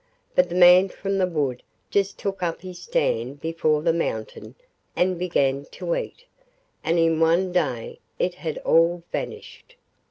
But the man from the wood just took up his stand before the mountain and began to eat, and in one day it had all vanished.